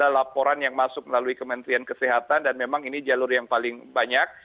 ada laporan yang masuk melalui kementerian kesehatan dan memang ini jalur yang paling banyak